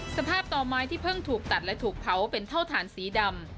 ต่อไม้ที่เพิ่งถูกตัดและถูกเผาเป็นเท่าฐานสีดำ